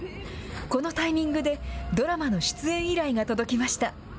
このタイミングで、ドラマの出演依頼が届きました。